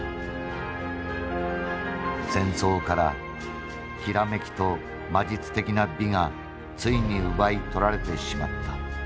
「戦争からきらめきと魔術的な美がついに奪い取られてしまった。